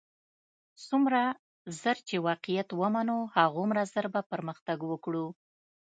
څومره ژر چې واقعیت ومنو همدومره ژر بۀ پرمختګ وکړو.